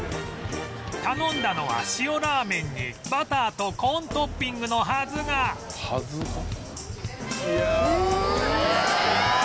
頼んだのは塩ラーメンにバターとコーントッピングのはずがえっ！？